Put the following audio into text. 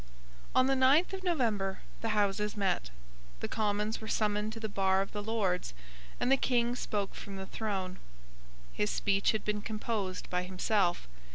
On the ninth of November the Houses met. The Commons were summoned to the bar of the Lords; and the King spoke from the throne. His speech had been composed by himself.